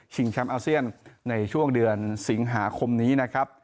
แชมป์อาเซียนในช่วงเดือนสิงหาคมนี้นะครับ